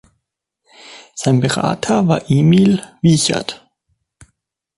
Sein Berater war Emil Wiechert.